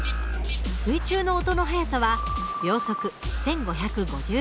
水中の音の速さは秒速１，５５０ｍ。